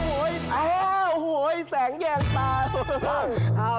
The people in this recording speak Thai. โอ้โหแสงแยงตา